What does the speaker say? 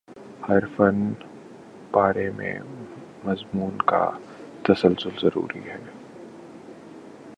ہر فن پارے میں مضمون کا تسلسل ضروری ہے